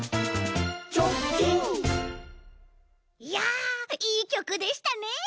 いやいいきょくでしたね。